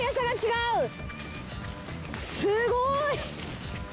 すごい。